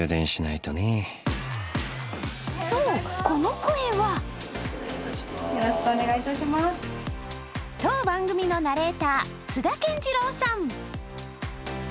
そう、この声は当番組のナレーター津田健次郎さん。